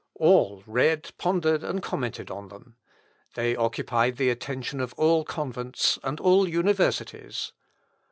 All read, pondered, and commented on them. They occupied the attention of all convents and all universities.